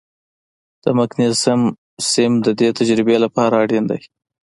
د مګنیزیم سیم د دې تجربې لپاره اړین دی.